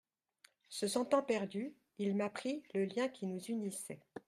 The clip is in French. Se sentant perdu, il m’apprit le lien qui nous unissait.